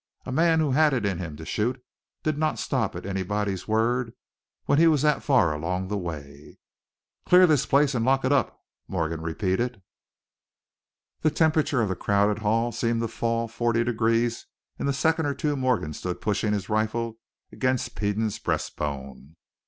A man who had it in him to shoot did not stop at anybody's word when he was that far along the way. "Clear this place and lock it up!" Morgan repeated. The temperature of the crowded hall seemed to fall forty degrees in the second or two Morgan stood pushing his rifle against Peden's breastbone.